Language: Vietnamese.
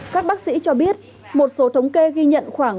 các bác sĩ cho biết một số thống kê ghi nhận khoảng